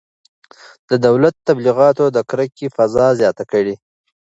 د دولت تبلیغاتو د کرکې فضا زیاته کړه.